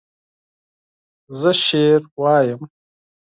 زه شعر لولم